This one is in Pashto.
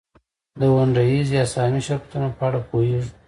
د ونډه ایز یا سهامي شرکتونو په اړه پوهېږو